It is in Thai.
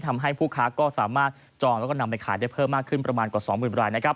ทำให้ผู้ค้าก็สามารถจองแล้วก็นำไปขายได้เพิ่มมากขึ้นประมาณกว่า๒๐๐๐ราย